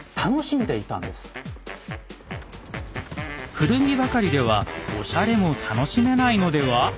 古着ばかりではおしゃれも楽しめないのでは？